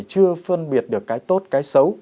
chưa phân biệt được cái tốt cái xấu